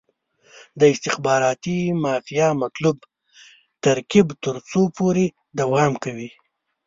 د استخباراتي مافیا مطلوب ترکیب تر څو پورې دوام کوي.